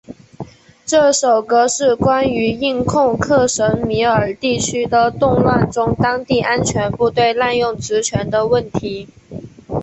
这首歌是关于印控克什米尔地区的动乱中当地安全部队滥用职权的问题。